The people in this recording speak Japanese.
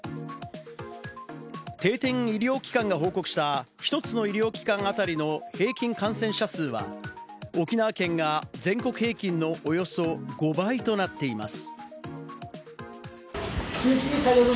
定点医療機関が報告した１つの医療機関当たりの平均感染者数は、沖縄県が全国平均のおよそ５倍となっています。